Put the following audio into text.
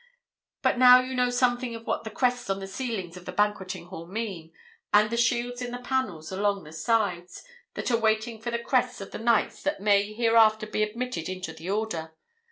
But now you know something of what the crests on the ceiling of the Banqueting Hall mean, and the shields in the panels along the sides, that are waiting for the crests of the Knights that may hereafter be admitted into the Order.